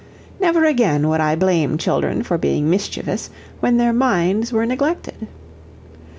"Never again would I blame children for being mischievous when their minds were neglected.